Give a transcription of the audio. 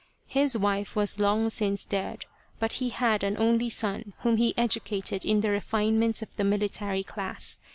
His wife was long since dead, but he had an only son whom he educated in the refinements of the military class.